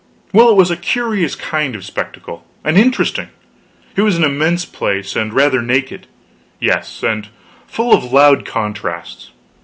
Well, it was a curious kind of spectacle, and interesting. It was an immense place, and rather naked yes, and full of loud contrasts.